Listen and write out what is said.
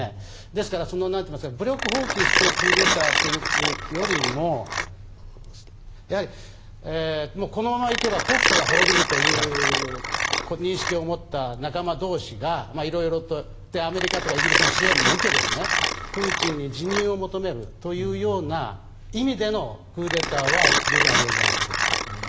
ですから、武力放棄してクーデターというよりもこのまま行けば国家が滅びるという認識を持った仲間同士が色々とアメリカとかイギリスの支援も受けてプーチンに辞任を求めるというような意味でのクーデターは十分あり得るんじゃないかと思います。